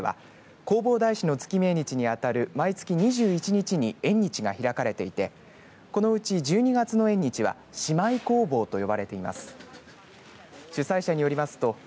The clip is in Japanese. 京都市南区にある世界遺産の東寺では、弘法大師の月命日にあたる毎月２１日に縁日が開かれていてこのうち１２月の縁日は終い弘法と呼ばれています。